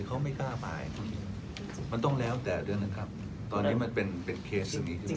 เขาไม่กล้ามามันต้องแล้วแต่ด้วยนะครับตอนนี้มันเป็นเป็นเคสหนึ่ง